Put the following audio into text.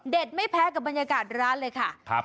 ไม่แพ้กับบรรยากาศร้านเลยค่ะ